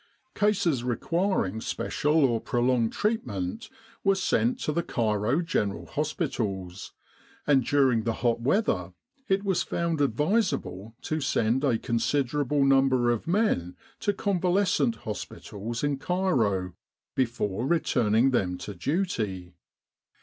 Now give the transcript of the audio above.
Cases requiring special or prolonged treatment were sent to the Cairo General Hospitals, and during the hot weather it was found advisable to send a con siderable number of men to convalescent hospitals in Cairo before returning them to duty.